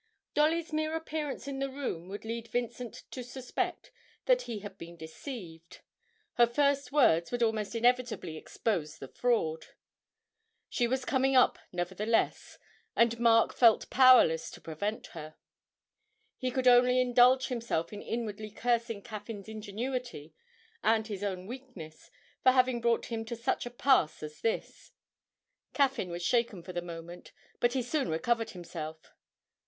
Dolly's mere appearance in the room would lead Vincent to suspect that he had been deceived; her first words would almost inevitably expose the fraud. She was coming up, nevertheless, and Mark felt powerless to prevent her he could only indulge himself in inwardly cursing Caffyn's ingenuity and his own weakness for having brought him to such a pass as this. Caffyn was shaken for the moment, but he soon recovered himself.